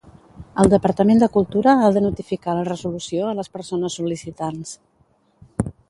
El Departament de Cultura ha de notificar la Resolució a les persones sol·licitants.